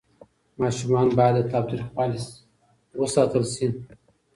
ماشومان باید له تاوتریخوالي ساتل سي.